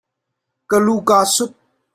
Ka lu kaa sut.